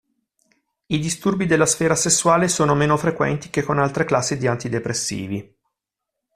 I disturbi della sfera sessuale sono meno frequenti che con altre classi di antidepressivi.